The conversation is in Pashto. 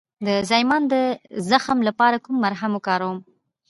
د زایمان د زخم لپاره کوم ملهم وکاروم؟